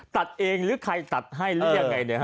ตัดเองหรือใครตัดให้หรือยังไงเนี่ยฮะ